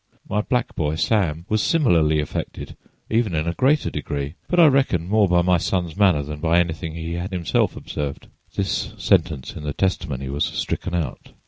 My black boy Sam was similarly affected, even in a greater degree, but I reckon more by my son's manner than by anything he had himself observed. [This sentence in the testimony was stricken out.